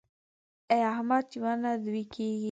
د احمد یوه نه دوې کېږي.